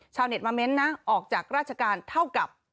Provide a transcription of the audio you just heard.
ชาวเน็ตมาเม้นต์นะออกจากราชการเท่ากับ